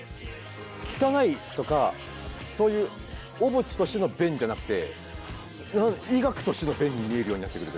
汚いとかそういう汚物としての便じゃなくて医学としての便に見えるようになってくるというか。